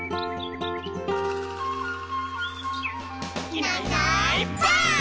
「いないいないばあっ！」